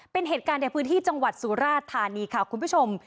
เป็นเหตุการณ์ในพื้นที่จังหวัดสุราธานีค่ะคุณผู้ชม